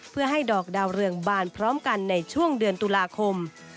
เพื่อให้ดอกดาวเรืองบานพร้อมกันในช่วงเดือนตุลาคม